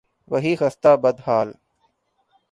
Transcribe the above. وہی خستہ، بد حال